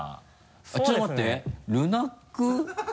ちょっと待って「ルナック」？